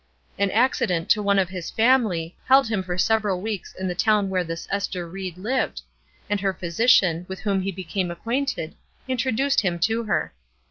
An accident to one of his family held him for several weeks in the town where this Ester Ried lived; and her physician, with whom he became acquainted, introduced him to her.